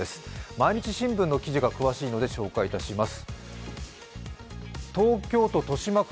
「毎日新聞」の記事が詳しいので紹介いたします。